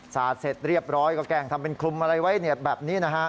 สาดเสร็จเรียบร้อยก็แกล้งทำเป็นคลุมอะไรไว้แบบนี้นะฮะ